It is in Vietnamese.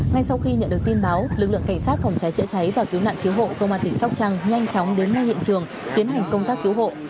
ngay sau khi nhận được tin báo lực lượng cảnh sát phòng cháy chữa cháy và cứu nạn cứu hộ công an tỉnh sóc trăng nhanh chóng đến ngay hiện trường tiến hành công tác cứu hộ